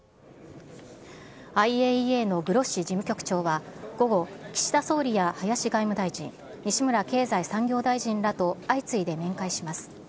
ＩＡＥＡのグロッシ事務局長は午後、岸田総理や林外務大臣、西村経済産業大臣らと相次いで面会します。